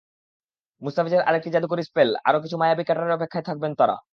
মুস্তাফিজের আরেকটি জাদুকরি স্পেল, আরও কিছু মায়াবী কাটারের অপেক্ষায় থাকবেন তাঁরা।